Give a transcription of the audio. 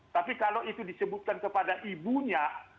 tapi kalau itu disebutkan kepada ibu itu tidak